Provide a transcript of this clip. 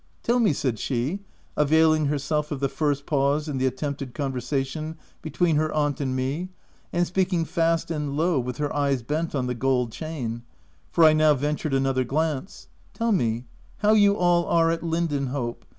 " Tell me/' said she, availing herself of the first pause in the attempted conversation be tween her aunt and me, and speaking fast and low with her eyes bent on the gold chain — for I now ventured another glance —" Tell me how you all are at Lindenhope